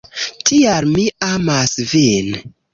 Tial mi amas vin